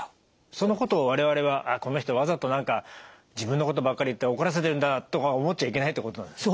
そのことを我々はこの人わざと何か自分のことばっかり言って怒らせてるんだとか思っちゃいけないってことなんですか？